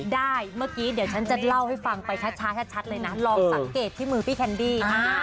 ได้เมื่อกี้เดี๋ยวฉันจะเล่าให้ฟังไปชัดเลยนะลองสังเกตที่มือพี่แคนดี้